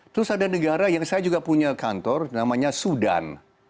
terus ada negara yang saya juga punya kantor namanya sudan